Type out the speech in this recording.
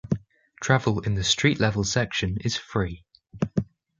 Travel in the street-level section is free.